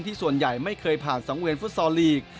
ส่วนใหญ่ไม่เคยผ่านสังเวียนฟุตซอลลีก